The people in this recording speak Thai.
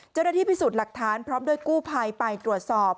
เจ้าหน้าที่พิสูจน์หลักฐานพร้อมด้วยกู้ภัยไปตรวจสอบ